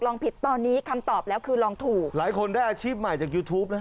ผิดตอนนี้คำตอบแล้วคือลองถูกหลายคนได้อาชีพใหม่จากยูทูปนะ